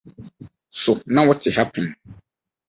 So na wote ha pɛn?